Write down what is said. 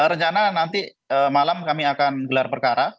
rencana nanti malam kami akan gelar perkara